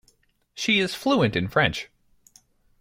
She is fluent in French.